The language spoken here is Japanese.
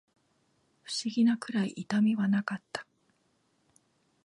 不思議なくらい痛みはなかった